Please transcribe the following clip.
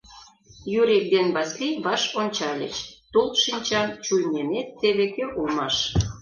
Юрик ден Васлий ваш ончальыч: «Тул шинчан чуйменет теве кӧ улмаш!»